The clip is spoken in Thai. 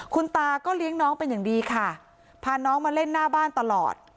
คุณตาก็เลี้ยงน้องเป็นอย่างดีค่ะพาน้องมาเล่นหน้าบ้านตลอด